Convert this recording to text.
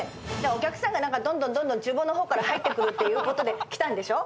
お客さんがどんどんどんどん厨房の方から入ってくるっていうことで来たんでしょ？